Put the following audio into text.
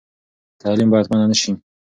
تعلیم باید منع نه سي.